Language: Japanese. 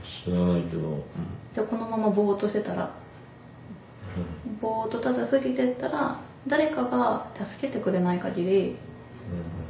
じゃあこのままボっとしてたらボっとただ過ぎてったら誰かが助けてくれない限り。